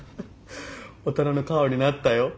大人の顔になったよ。